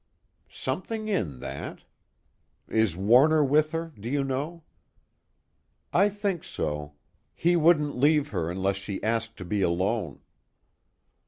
"Something in that. Is Warner with her, do you know?" "I think so. He wouldn't leave her unless she asked to be alone."